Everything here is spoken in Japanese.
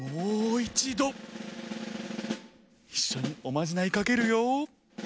いっしょにおまじないかけるよ。